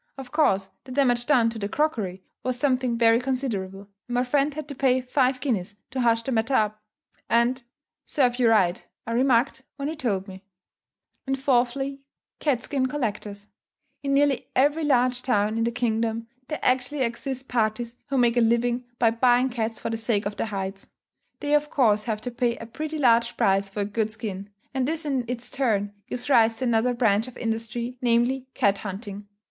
Of course the damage done to the crockery, was something very considerable, and my friend had to pay five guineas to hush the matter up; and "Serve you right," I remarked when he told me. (See Note O, Addenda.) And fourthly, Cat skin Collectors. In nearly every large town in the kingdom, there actually exist parties who make a living by buying cats for the sake of their hides. They of course have to pay a pretty large price for a good skin; and this in its turn gives rise to another branch of industry, namely, cat hunting.